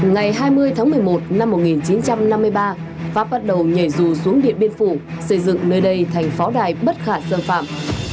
ngày hai mươi tháng một mươi một năm một nghìn chín trăm năm mươi ba pháp bắt đầu nhảy dù xuống điện biên phủ xây dựng nơi đây thành pháo đài bất khả xâm phạm